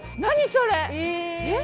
それえっ？